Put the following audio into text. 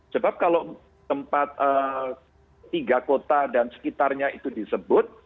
sebab kalau tempat tiga kota dan sekitarnya itu disebut